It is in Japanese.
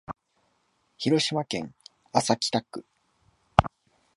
広島市安佐北区